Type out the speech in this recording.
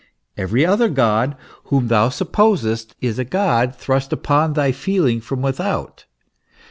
Every other God, whom thou supposest, is a God thrust upon thy feeling from without.